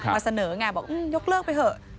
มาเสนอไงบอกยกเลิกไปเถอะ